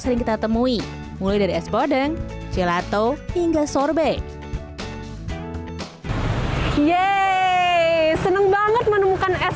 sering kita temui mulai dari es podeng gelato hingga sorbet ye seneng banget menemukan es